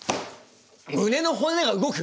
胸の骨が動く？